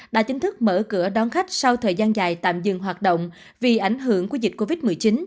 đã chính thức mở cửa đón khách sau thời gian dài tạm dừng hoạt động vì ảnh hưởng của dịch covid một mươi chín